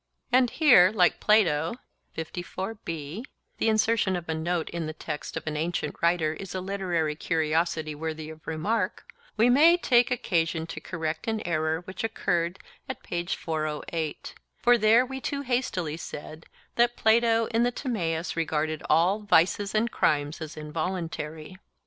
And here, like Plato (the insertion of a note in the text of an ancient writer is a literary curiosity worthy of remark), we may take occasion to correct an error. For we too hastily said that Plato in the Timaeus regarded all 'vices and crimes as involuntary.